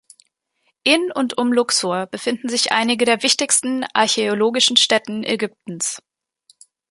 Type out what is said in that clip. In und um Luxor befinden sich einige der wichtigsten archäologischen Stätten Ägyptens.